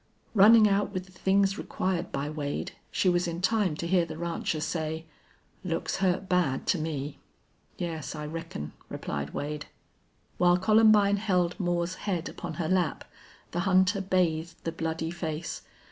Running out with the things required by Wade, she was in time to hear the rancher say, "Looks hurt bad, to me." "Yes, I reckon," replied Wade. While Columbine held Moore's head upon her lap the hunter bathed the bloody face.